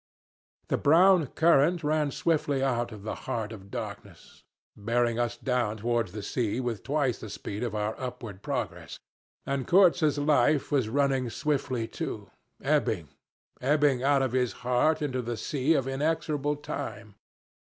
"The brown current ran swiftly out of the heart of darkness, bearing us down towards the sea with twice the speed of our upward progress; and Kurtz's life was running swiftly too, ebbing, ebbing out of his heart into the sea of inexorable time.